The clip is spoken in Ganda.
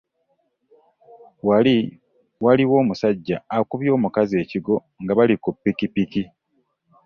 Wali waliwo omusajja okubye omukazi ekigo nga bali ku piki piki.